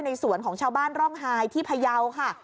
สวนของชาวบ้านร่องไฮที่พยาวค่ะ